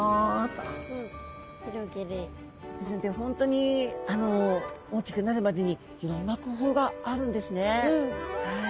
本当に大きくなるまでにいろんな工夫があるんですねはい。